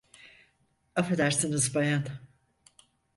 Affedersiniz bayan.